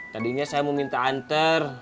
tadinya saya mau minta anter